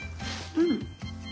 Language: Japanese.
うん。